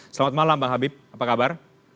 selamat malam bang habib apa kabar